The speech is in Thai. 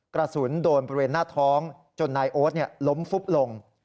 กระสุนโดนบริเวณหน้าท้องจนนายโอ๊ตล้มฟุบลง